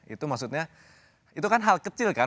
itu maksudnya itu kan hal kecil kan